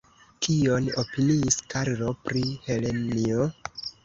Kion opiniis Karlo pri Helenjo?